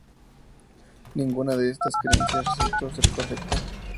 Ninguna de estas creencias resultó ser correcta.